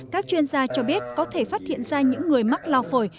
các chuyên gia cho biết có thể phát hiện ra những người mắc lao phổi